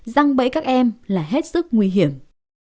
răng bẫy các em là hết sức nguy hiểm